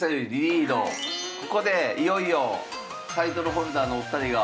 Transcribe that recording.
ここでいよいよタイトルホルダーのお二人が。